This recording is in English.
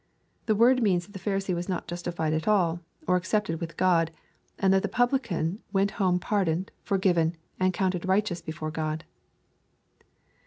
The words mean that the Pharisee was notjnstified at all, or accepted with God, and that the puttwan wer.t home pardoned, forgiven, and counted righteous beforo Qod.